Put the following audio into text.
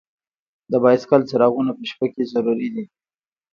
د بایسکل څراغونه په شپه کې ضروری دي.